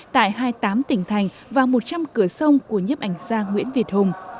tại hai mươi tám tỉnh thành và một trăm linh cửa sông của nhiếp ảnh gia nguyễn việt hùng